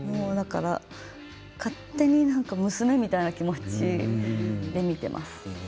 勝手に娘みたいな気持ちで見ています。